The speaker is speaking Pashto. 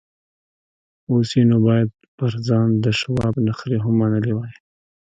اوس یې نو باید پر ځان د شواب نخرې هم منلې وای